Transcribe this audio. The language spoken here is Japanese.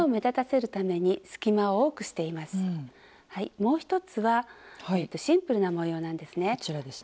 もう一つはシンプルな模様なんですね。